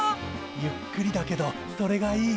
ゆっくりだけどそれがいい。